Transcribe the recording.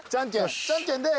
じゃんけんで。